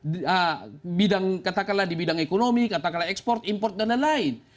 di bidang katakanlah di bidang ekonomi katakanlah ekspor import dan lain lain